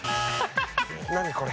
何これ？